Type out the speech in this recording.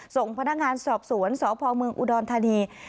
ส่งพนักงานสอบสวนสพเมืองอุดรธานี